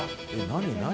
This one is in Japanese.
何？